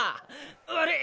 悪い。